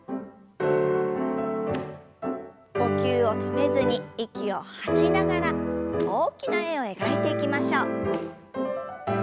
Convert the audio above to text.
呼吸を止めずに息を吐きながら大きな円を描いていきましょう。